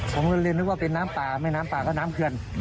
ผมก็เลยนึกว่าเป็นน้ำป่าแม่น้ำป่าก็น้ำเขื่อน